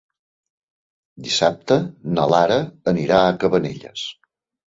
Dissabte na Lara anirà a Cabanelles.